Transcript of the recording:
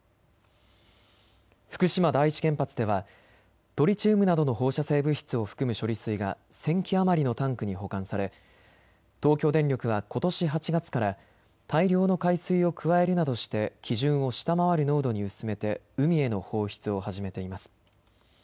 福島第一原発ではトリチウムなどの放射性物質を含む処理水が１０００基余りのタンクに保管され東京電力はことし８月から大量の海水を加えるなどして基準を下回る濃度に薄めて海への放出を始めています。